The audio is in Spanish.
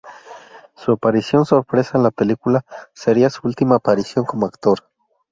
Su aparición sorpresa en la película sería su ultima aparición como actor.